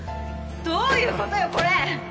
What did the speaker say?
どういう事よこれ！